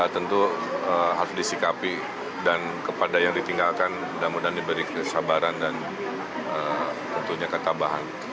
tentu harus disikapi dan kepada yang ditinggalkan mudah mudahan diberi kesabaran dan tentunya ketabahan